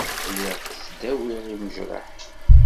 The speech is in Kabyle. Lliɣ ttdawiɣ imejraḥ.